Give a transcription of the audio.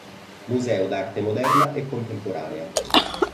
Museo d'arte moderna e contemporanea